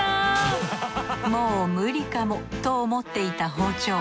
もう無理かもと思っていた包丁。